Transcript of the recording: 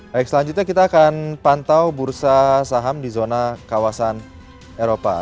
baik selanjutnya kita akan pantau bursa saham di zona kawasan eropa